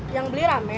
yang beli rame